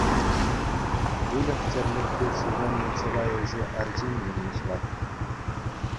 Выльӑх-чӗрлӗхпе ҫыхӑннӑ чылай ӗҫе арҫын пурнӑҫлать.